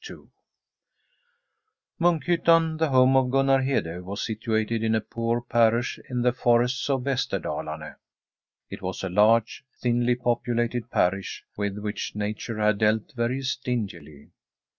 II MuNKHYTTAN, the home of Gunnar Hede, was situated in a poor parish in the forests of Vesterda lame. It was a large, thinly populated parish, with which Nature had dealt very stingily.